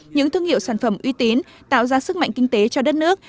những thương hiệu sản phẩm uy tín tạo ra sức mạnh kinh tế cho đất nước